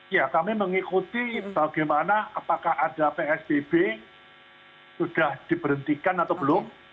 ya kami mengikuti bagaimana apakah ada psbb sudah diberhentikan atau belum